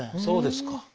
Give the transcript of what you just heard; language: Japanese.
そうですか。